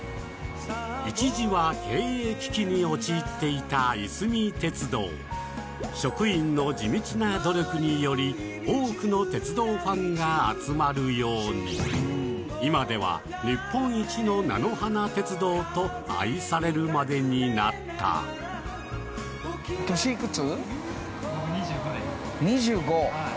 一時は経営危機に陥っていたいすみ鉄道職員の地道な努力により多くの鉄道ファンが集まるように今では日本一の菜の花鉄道と愛されるまでになった年いくつ？